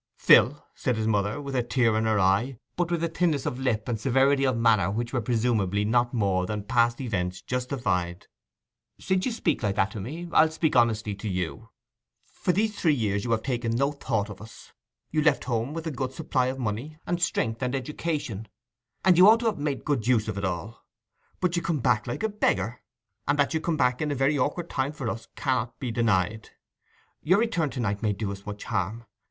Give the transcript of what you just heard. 'Phil,' said his mother, with a tear in her eye, but with a thinness of lip and severity of manner which were presumably not more than past events justified; 'since you speak like that to me, I'll speak honestly to you. For these three years you have taken no thought for us. You left home with a good supply of money, and strength and education, and you ought to have made good use of it all. But you come back like a beggar; and that you come in a very awkward time for us cannot be denied. Your return to night may do us much harm.